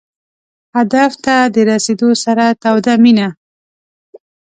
هدف ته د رسېدو سره توده مینه.